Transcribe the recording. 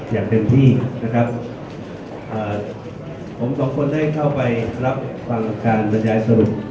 อย่างเต็มที่นะครับอ่าผมสองคนได้เข้าไปรับฟังการบรรยายสรุป